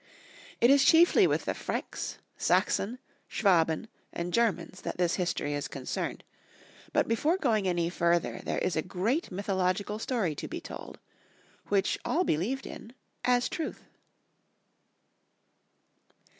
It is chiefly with the Franks, Sachsen, Schwaben, The Q ermaiM and Momans, 89 and Germans that this history is concerned; but before going any further, there is a great mytho logical story to be told, which all believed in as truth.